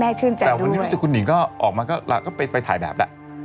แม่ชื่นจัดด้วยแต่วันนี้รู้สึกคุณหญิงก็ออกมาก็ไปถ่ายแบบนั้น